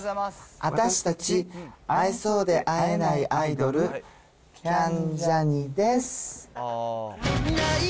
あたしたち、会えそうで会えないアイドル、キャンジャニ∞です。